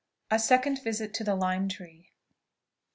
A SECOND VISIT TO THE LIME TREE.